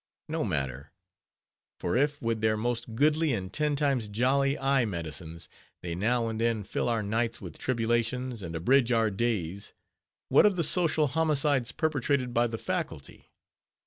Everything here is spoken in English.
No matter. For if with their most goodly and ten times jolly medicines, they now and then fill our nights with tribulations, and abridge our days, what of the social homicides perpetrated by the Faculty?